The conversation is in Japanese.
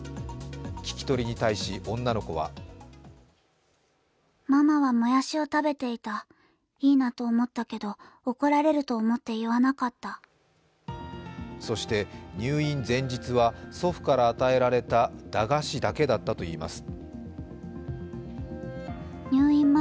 聞き取りに対し女の子はそして、入院前日は祖父から与えられた駄菓子だけだったといいます。